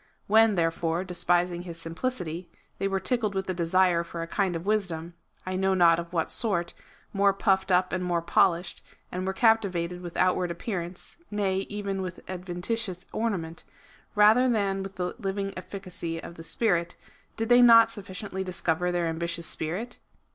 When, therefore, despising his simplicity, they were tickled with a desire for a kind of wisdom, I know not of what sort, more puffed up and more polished, and were caj)tivated with outward appearance, nay, even with adventitious ornament, rather than with the living efiicacy of the Spirit, did they not sufficiently discover their ambitious spirit